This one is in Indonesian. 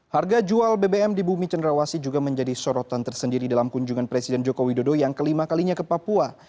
harga jual bbm di bumi cenderawasi juga menjadi sorotan tersendiri dalam kunjungan presiden joko widodo yang kelima kalinya ke papua